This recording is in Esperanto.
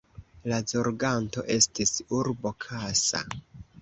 La zorganto estis urbo Kassa.